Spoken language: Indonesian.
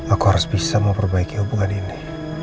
aku harus bisa mau perbaiki hubungan ini